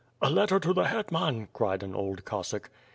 "A letter to the Hetman," cried an old Cossack.